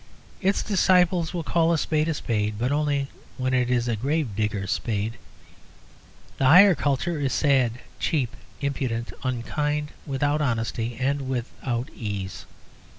Its disciples will call a spade a spade; but only when it is a grave digger's spade. The higher culture is sad, cheap, impudent, unkind, without honesty and without ease.